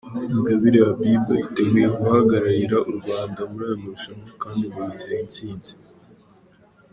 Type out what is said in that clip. Ingabire Habibah yiteguye guhagararira u Rwanda muri aya marushanwa kandi ngo yizeye intsinzi